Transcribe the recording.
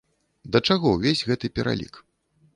Да чаго ўвесь гэты пералік?